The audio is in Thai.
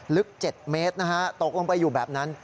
ลึก๗เมตรนะฮะตกลงไปอยู่แบบนั้น